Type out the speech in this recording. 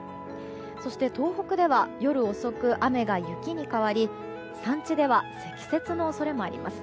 そして、東北では夜遅く雨が雪に変わり山地では積雪の恐れもあります。